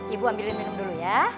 ibu ambil minum dulu ya